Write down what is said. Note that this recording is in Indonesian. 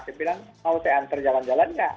saya bilang mau saya antar jalan jalan nggak